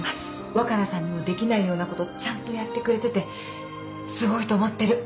若菜さんにもできないようなことちゃんとやってくれててすごいと思ってる。